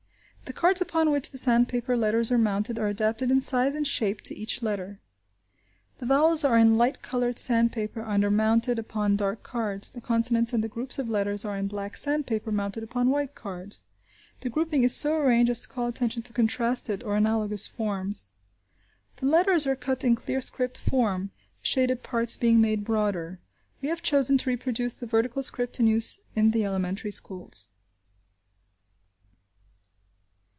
The cards upon which the sandpaper letters are mounted are adapted in size and shape to each letter. The vowels are in light coloured sandpaper and are mounted upon dark cards, the consonants and the groups of letters are in black sandpaper mounted upon white cards. The grouping is so arranged as to call attention to contrasted, or analogous forms. The letters are cut in clear script form, the shaded parts being made broader. We have chosen to reproduce the vertical script in use in the elementary schools.